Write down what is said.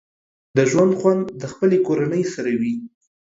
د ژوند خوند د خپلې کورنۍ سره وي